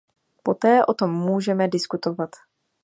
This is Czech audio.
Poté o tom můžeme diskutovat.